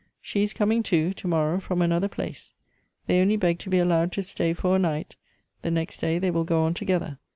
" She is coming, too, to morrow, from another place. They only beg to be allowed to stay for a night ; the next day they will go on together."